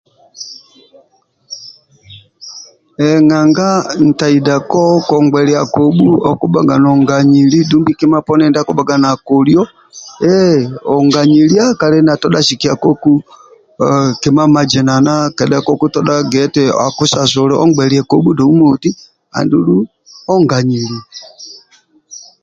Nanga ntaidako kongbelia kobhu okubhaga nonganili dumbi kima poni ndia kibhaga na kolio ehhh onganyilia kali na todha sikiakoku kima mazinana kedhabkokutoha gia eti akusasule ongbelie kobhu dou moti andulu onganyilie